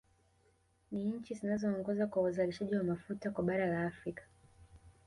Ni nchi zinazoongoza kwa uzalishaji wa mafuta kwa bara la Afrika